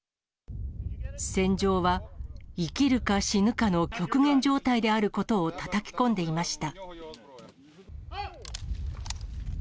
戦場は生きるか死ぬかの極限状態であることをたたき込んでいました。